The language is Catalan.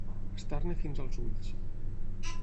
Estar-ne fins als ulls.